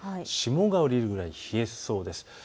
霜が降りるくらい冷えそうです。